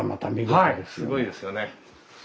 はいすごいですよね。